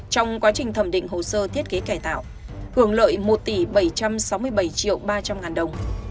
trong quá trình thẩm định hồ sơ thiết kế cải tạo hưởng lợi một tỷ bảy trăm sáu mươi bảy triệu ba trăm linh ngàn đồng